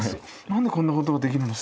何でこんなことができるんだ。